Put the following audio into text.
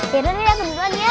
bener ya kedudukan ya